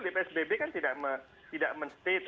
di psbb kan tidak men state